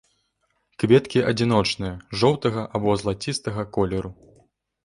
Кветкі адзіночныя, жоўтага або залацістага колеру.